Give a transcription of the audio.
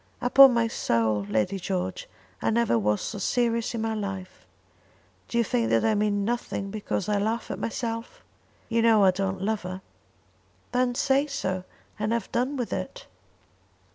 "Upon my soul, Lady George, I never was so serious in my life. Do you think that I mean nothing because I laugh at myself? You know I don't love her." "Then say so, and have done with it."